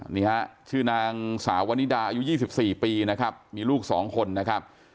นี่ฮะชื่อนางสาววันนิดาอายุ๒๔ปีนะครับมีลูก๒คนนะครับ